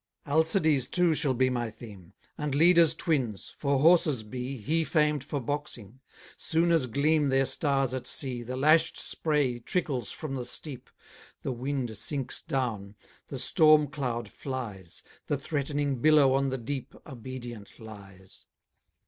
Alcides too shall be my theme, And Leda's twins, for horses be, He famed for boxing; soon as gleam Their stars at sea, The lash'd spray trickles from the steep, The wind sinks down, the storm cloud flies, The threatening billow on the deep Obedient lies.